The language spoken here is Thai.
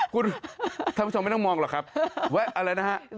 คุณผู้ชมไม่ต้องมองหรอกครับอะไรนะครับ